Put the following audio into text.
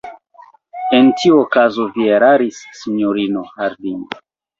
En tiu okazo vi eraris, sinjorino Harding.